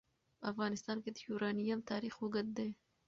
په افغانستان کې د یورانیم تاریخ اوږد دی.